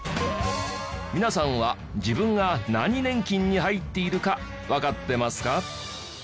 皆さんは自分が何年金に入っているかわかってますか？